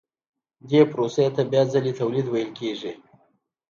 دې پروسې ته بیا ځلي تولید ویل کېږي